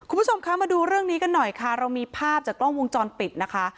คุณผู้ชมคะมาดูเรื่องนี้กันหน่อยค่ะเรามีภาพจากกล้องวงจรปิดนะคะ